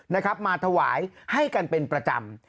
นะครับมาถวายให้กันเป็นประจำ